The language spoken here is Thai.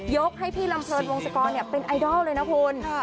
ให้พี่ลำเนินวงศกรเป็นไอดอลเลยนะคุณ